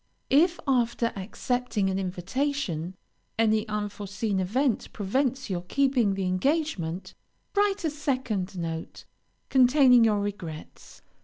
If, after accepting an invitation, any unforeseen event prevents your keeping the engagement, write a second note, containing your regrets.